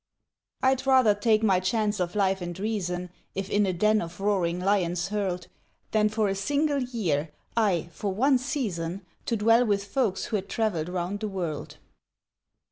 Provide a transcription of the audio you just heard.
I'd rather take my chance of life and reason, If in a den of roaring lions hurled Than for a single year, ay, for one season, To dwell with folks who'd traveled round the world.